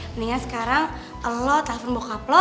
mendingan sekarang lo telepon bokap lo